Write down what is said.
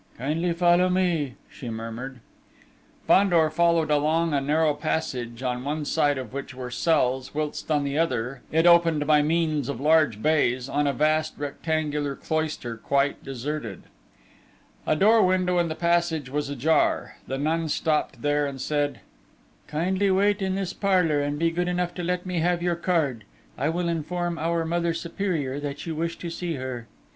"Kindly follow me," she murmured. Fandor followed along a narrow passage, on one side of which were cells, whilst on the other, it opened by means of large bays, on a vast rectangular cloister quite deserted. A door window in the passage was ajar: the nun stopped here and said: "Kindly wait in this parlour, and be good enough to let me have your card. I will inform our Mother Superior that you wish to see her."